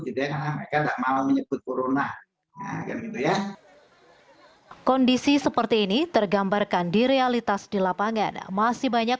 tidak mau menyebut corona kondisi seperti ini tergambarkan di realitas di lapangan masih banyak